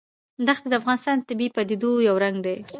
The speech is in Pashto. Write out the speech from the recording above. دښتې د افغانستان د طبیعي پدیدو یو رنګ دی.